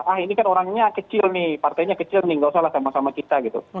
ah ini kan orangnya kecil nih partainya kecil nih nggak usah lah sama sama kita gitu